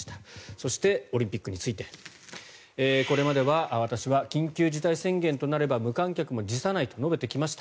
そして、オリンピックについてこれまで私は緊急事態宣言となれば無観客も辞さないと述べてきました